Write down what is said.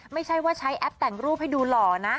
ไม่ใช่ว่าใช้แอปแต่งรูปให้ดูหล่อนะ